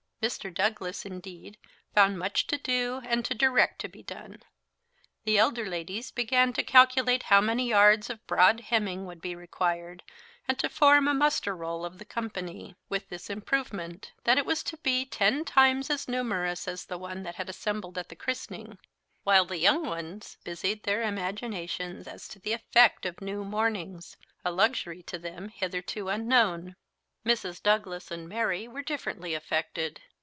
Mr. Douglas, indeed, found much to do and to direct to be done. The elder ladies began to calculate how many yards of broad hemming would be required, and to form a muster roll of the company; with this improvement, that it was to be ten times as numerous as the one that had assembled at the christening; while the young ones busied their imaginations as to the effect of new mournings a luxury to them hitherto unknown. Mrs. Douglas and Mary were differently affected.